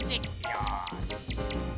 よし。